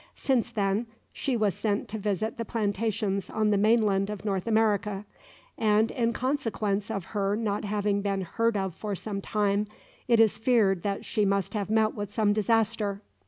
Since then, she was sent to visit the plantations on the mainland of North America; and, in consequence of her not having been heard of for some time, it is feared that she must have met with some disaster.